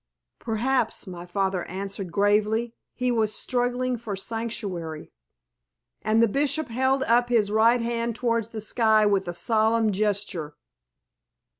"Perhaps," my father answered, gravely, "he was struggling for sanctuary." And the Bishop held up his right hand towards the sky with a solemn gesture.